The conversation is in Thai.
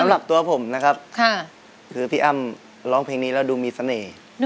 สำหรับตัวผมนะครับคือพี่อ้ำร้องเพลงนี้แล้วดูมีเสน่ห์